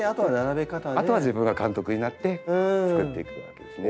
あとは自分が監督になってつくっていくわけですね。